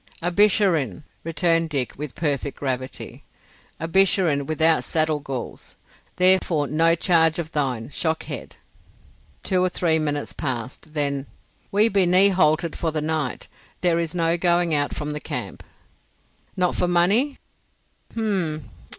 "A Bisharin," returned Dick, with perfect gravity. "A Bisharin without saddle galls. Therefore no charge of thine, shock head." Two or three minutes passed. Then—"We be knee haltered for the night. There is no going out from the camp." "Not for money?" "H'm!